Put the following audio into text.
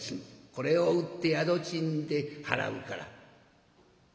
これを売って宿賃で払うから」。